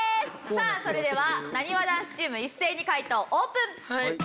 さあそれではなにわ男子チーム一斉に解答オープン！